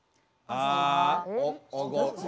あ。